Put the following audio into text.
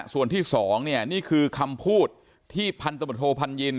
ส่วนที่สองแงนี่คือคำพูดที่พันธมโทษพันยิน